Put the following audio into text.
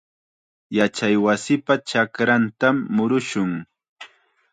Yachaywasipa chakrantam murushun.